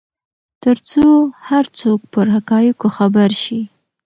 ترڅو هر څوک پر حقایقو خبر شي.